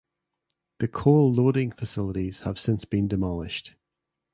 The coal loading facilities have since been demolished.